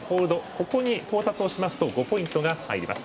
ここに到達をしますと５ポイントが入ります。